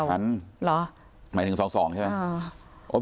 หมายถึง๒๒ใช่ไหม